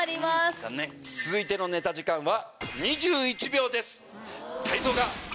続いてのネタ時間は。